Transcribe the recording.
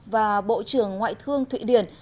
và bộ trưởng ngoại thương thụy điển